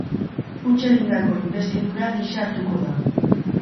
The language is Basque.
Huts egindako inbestidura gisa hartuko da.